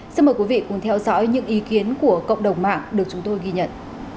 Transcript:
xin mời quý vị cùng theo dõi những ý kiến của cộng đồng mạng được chúng tôi ghi nhận